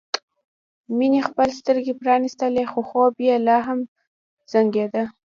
مينې خپلې سترګې پرانيستلې خو خوب یې لا هم زنګېده